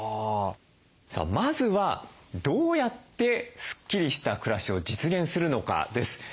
さあまずはどうやってスッキリした暮らしを実現するのかです。